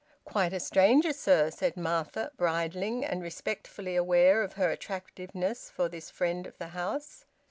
"Quite a stranger, sir!" said Martha, bridling, and respectfully aware of her attractiveness for this friend of the house.